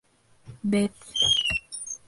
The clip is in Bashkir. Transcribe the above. Беҙ...